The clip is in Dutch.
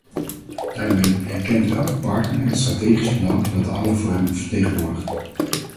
Daarbij erkent elke partner het strategische belang dat de ander voor hem vertegenwoordigt.